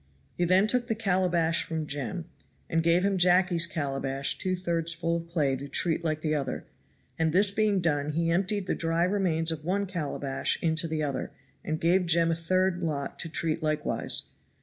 He then took the calabash from Jem, and gave him Jacky's calabash two thirds full of clay to treat like the other, and this being done he emptied the dry remains of one calabash into the other, and gave Jem a third lot to treat likewise.